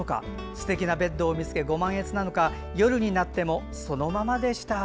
すてきなベッドを見つけご満悦なのか夜になってもそのままでした。